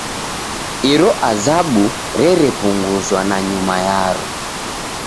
Iro azabu rerepunguzwa nanyuma yaro.